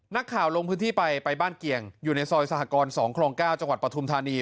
ลงพื้นที่ไปไปบ้านเกียงอยู่ในซอยสหกรณ์๒คลอง๙จังหวัดปฐุมธานี